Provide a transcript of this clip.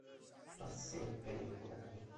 ট্রান্সিলভেনিয়ায় কোন ভ্যাম্পায়ার নেই?